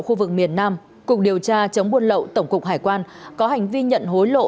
khu vực miền nam cục điều tra chống buôn lậu tổng cục hải quan có hành vi nhận hối lộ